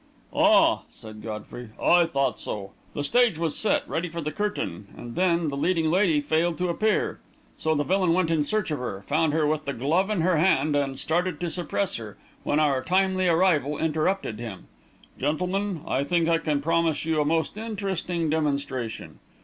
"Ah!" said Godfrey; "I thought so! The stage was set, ready for the curtain, and then the leading lady failed to appear. So the villain went in search of her, found her with the glove in her hand, and started to suppress her, when our timely arrival interrupted him! Gentlemen, I think I can promise you a most interesting demonstration.